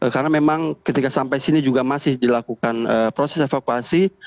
karena memang ketika sampai sini juga masih dilakukan proses evakuasi